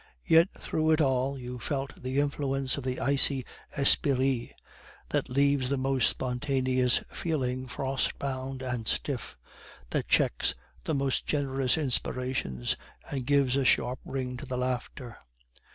Yet through it all you felt the influence of the icy esprit that leaves the most spontaneous feeling frost bound and stiff, that checks the most generous inspirations, and gives a sharp ring to the laughter.